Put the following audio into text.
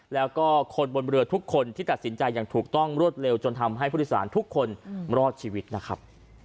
แล้วก็คนบนเรือทุกคนที่ตัดสินใจอย่างถูกต้องรวดเร็วจนทำให้ผู้โดยสารทุกคนรอดชีวิตนะครับ